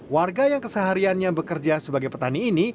warga yang kesehariannya bekerja sebagai petani ini